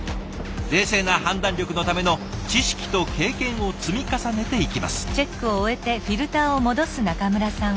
冷静な判断力のための知識と経験を積み重ねていきます。